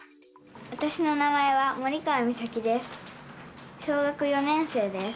わたしの名前は森川実咲です。